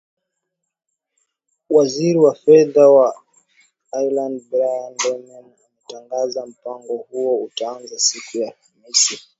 waziri wa fedha wa ireland brian lehman ametangaza mpango huo utaanza siku ya alhamisi